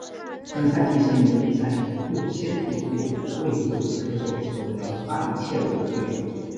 本赛季剩余的比赛里又先后有五位不同的车手成为了巴里切罗的队友。